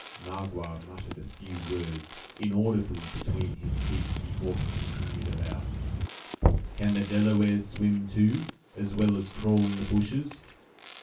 Magua muttered a few words, inaudibly, between his teeth, before he continued, aloud: "Can the Delawares swim, too, as well as crawl in the bushes?